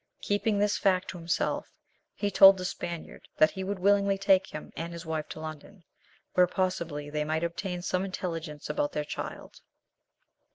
Keeping this fact to himself, he told the Spaniard that he would willingly take him and his wife to London, where possibly they might obtain some intelligence about their child.